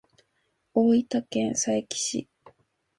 大分県佐伯市